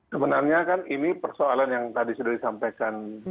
sebenarnya kan ini persoalan yang tadi sudah disampaikan